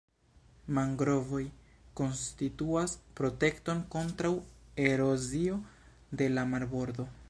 Mangrovoj konstituas protekton kontraŭ erozio de la marbordo.